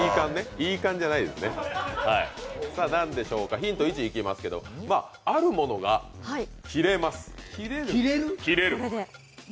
ヒント１いきますけど、あるものが切れます。